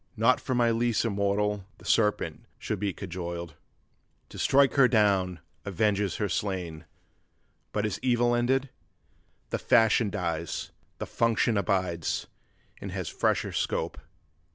Not for my lease immortal the serpent shall be cajoled. 'To strike her down avenges her slain; but is evil ended? The fashion dies; the function abides, and has fresher scope.